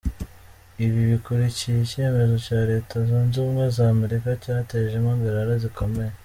Ibi bikurikiye icyemezo cya Leta Zunze Ubumwe za Amerika cyateje impagarara zikomeye.